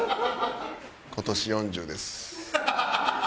今年４０です。